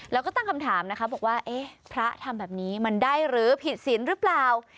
แล้วก็ตั้งคำถามนะคะบอกว่าเอ๊ะพระทำแบบนี้มันได้หรือผิดศีลหรือเปล่า